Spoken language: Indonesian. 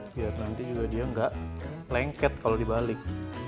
biar nanti juga dia nggak lengket kalau dibalik